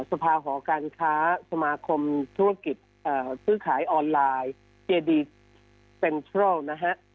สภาหอการค้าสมาคมธุรกิจซื้อขายออนไลน์เจดีเซ็นทรัลนะฮะ